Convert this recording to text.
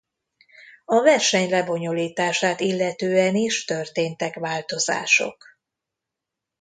A verseny lebonyolítását illetően is történtek változások.